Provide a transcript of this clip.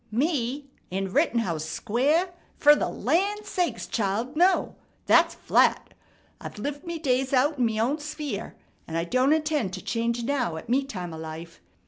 "Me? In Rittenhouse Square? Fer the land sakes, child, no. That's flat. I've lived me days out in me own sp'ere, and I don't intend to change now at me time o' life.